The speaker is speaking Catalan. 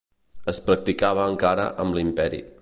Es practicava encara amb l'Imperi.